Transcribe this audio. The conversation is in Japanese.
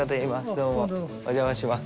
どうも、お邪魔します。